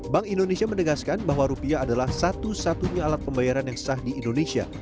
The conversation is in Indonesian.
bank indonesia menegaskan bahwa rupiah adalah satu satunya alat pembayaran yang sah di indonesia